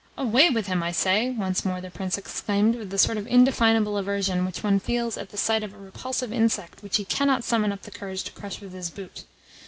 "Away with him, I say!" once more the Prince exclaimed with the sort of indefinable aversion which one feels at the sight of a repulsive insect which he cannot summon up the courage to crush with his boot.